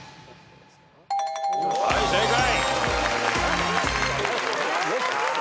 はい正解。